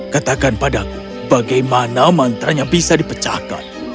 katakan padaku bagaimana mantra nya bisa dipecahkan